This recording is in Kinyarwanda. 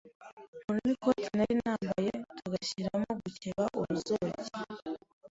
nkuramo ikote nari nambaye tugashyiramo gukeba uruzogi